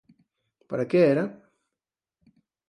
Para que era?